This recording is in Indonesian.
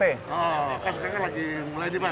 oh kasusnya lagi mulai nih pak